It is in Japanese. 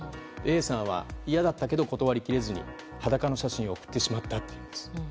Ａさんは、嫌だったけど断り切れずに裸の写真を送ってしまったというんです。